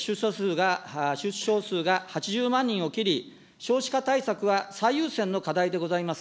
出生数が８０万人を切り、少子化対策は最優先の課題でございます。